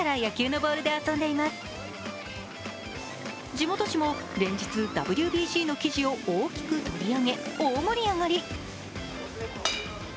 地元紙も連日ＷＢＣの記事を大きく取り上げ、大盛り上がり。